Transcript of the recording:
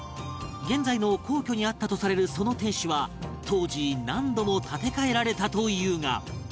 現在の皇居にあったとされるその天守は当時何度も建て替えられたというが